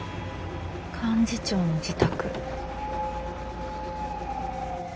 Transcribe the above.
幹事長の自宅。